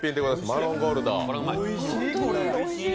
マロンゴールド。